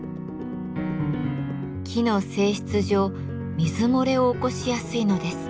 木の性質上水漏れを起こしやすいのです。